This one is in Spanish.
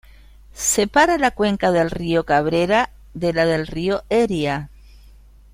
Separa la cuenca del Río Cabrera de la del Río Eria.